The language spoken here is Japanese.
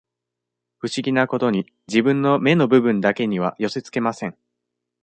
不思議なことに、自分の目の部分だけには寄せつけません。